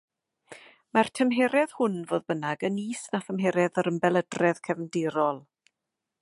Mae'r tymheredd hwn, fodd bynnag, yn is na thymheredd yr ymbelydredd cefndirol.